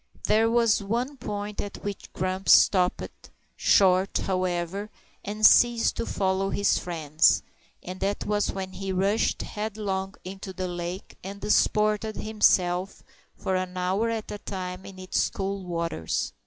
There was one point at which Grumps stopped short, however, and ceased to follow his friend, and that was when he rushed headlong into the lake and disported himself for an hour at a time in its cool waters.